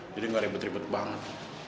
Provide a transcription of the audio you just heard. jadi gak ribet ribet banget